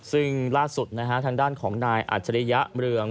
ซึ่งล่าสุดทางด้านของนายอัจฌัยเรือง